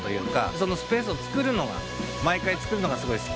そのスペースをつくるのが毎回つくるのがすごい好きで。